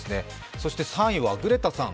そして３位はグレタさん。